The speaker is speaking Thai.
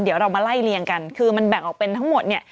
เดี๋ยวเรามาไล่เรียงกันคือมันแบ่งออกเป็นทั้งหมดเนี่ย